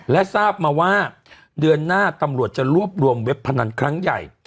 และทราบมาว่าเดือนหน้าตำรวจจะรวบรวมเว็บพนันครั้งใหญ่